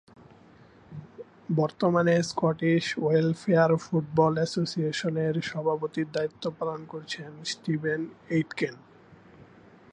বর্তমানে Scottish Welfare Football অ্যাসোসিয়েশনের সভাপতির দায়িত্ব পালন করছেন স্টিভেন এইটকেন।